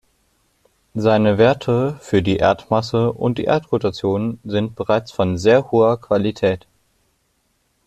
Seine Werte für die Erdmasse und die Erdrotation sind bereits von sehr hoher Qualität.